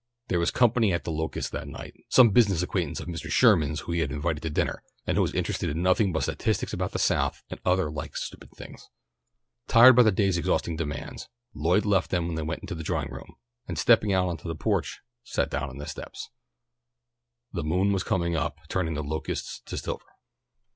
There was company at The Locusts that night, some business acquaintances of Mr. Sherman's whom he had invited to dinner, and who were interested in nothing but statistics about the South and other like stupid things. Tired by the day's exhausting demands, Lloyd left them when they went into the drawing room, and stepping out on the porch sat down on the steps. The moon was coming up, turning the locusts to silver.